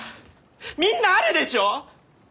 みんなあるでしょ！？